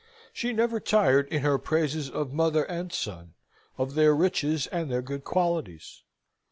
She never tired in her praises of mother and son, of their riches and their good qualities.